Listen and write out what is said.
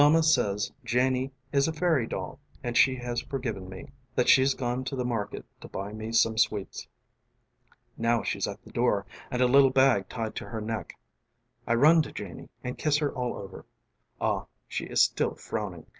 ┬Ā┬ĀMama says Janie is a fairy doll ┬Ā┬Āand she has forgiven meŌĆö ┬Ā┬Āthat she's gone to the market ┬Ā┬Āto buy me some sweets. ┬Ā┬ĀŌĆöNow she's at the door ┬Ā┬Āand a little bag tied to her neckŌĆö ┬Ā┬ĀI run to Janie ┬Ā┬Āand kiss her all overŌĆ". ┬Ā┬ĀAhŌĆ" she is still frowning.